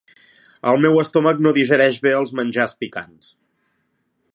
El meu estómac no digereix bé els menjars picants.